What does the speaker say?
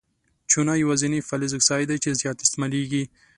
چونه یوازیني فلزي اکساید دی چې زیات استعمالیږي.